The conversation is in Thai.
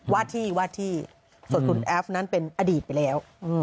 วาดที่วาดที่ส่วนคุณแอฟนั้นเป็นอดีตไปแล้ว